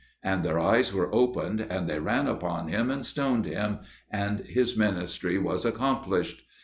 And their eyes were opened, and they ran upon him and stoned him; and his ministry was accomplished.